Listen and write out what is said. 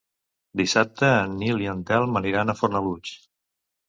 Dissabte en Nil i en Telm aniran a Fornalutx.